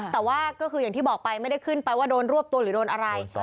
แต่ว่าก็คืออย่างที่บอกไปไม่ได้ขึ้นไปว่าโดนรวบตัวหรือโดนอะไร